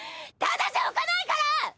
ただじゃおかないから！